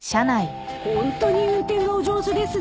ホントに運転がお上手ですね。